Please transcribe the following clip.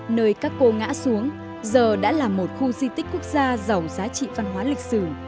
nơi các cô ngã xuống giờ đã là một khu di tích quốc gia giàu giá trị văn hóa lịch sử